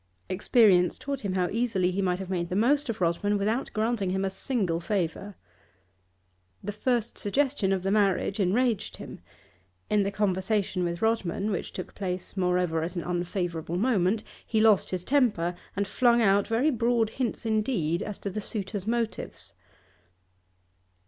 Experience taught him how easily he might have made the most of Rodman without granting him a single favour. The first suggestion of the marriage enraged him; in the conversation with Rodman, which took place, moreover, at an unfavourable moment, he lost his temper and flung out very broad hints indeed as to the suitor's motives.